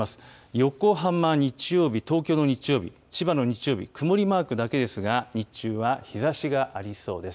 横浜、日曜日、東京の日曜日、千葉の日曜日、曇りマークだけですが、日中は日ざしがありそうです。